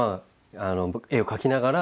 絵を描きながら？